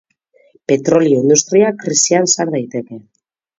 Petrolio-industria krisian sar daiteke.